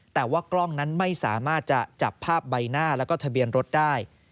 แต่ว่ากล้องนั้นไม่สามารถจะจับภาพใบหน้าแล้วก็ทะเบียนรถได้